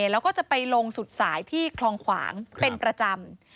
แล้วก็จะไปลงสุดสายที่คลองขวางเป็นประจำ